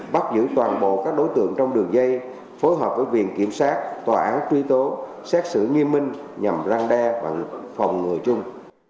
bắt giữ toàn bộ các đối tượng trong đường dây phối hợp với viện kiểm sát tòa án truy tố xét xử nghiêm minh nhằm răng đe bằng phòng ngừa chung